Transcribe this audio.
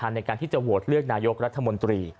ในการที่จะโหวตเลือกนายกรัฐมนตรี